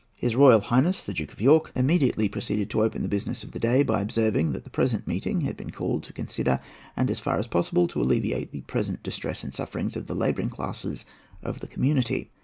His Royal Highness the Duke of York immediately proceeded to open the business of the day, by observing that the present meeting had been called to consider and, as far as possible, to alleviate the present distress and sufferings of the labouring classes of the community.